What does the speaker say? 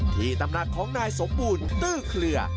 ตำหนักของนายสมบูรณ์ตื้อเคลือ